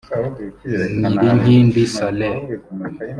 Nyilinkindi Saleh